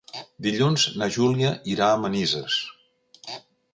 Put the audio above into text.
Dilluns na Júlia irà a Manises.